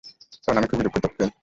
আমি খুবই দুঃখিত, কেইন।